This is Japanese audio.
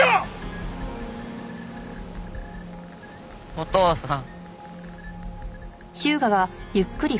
お父さん。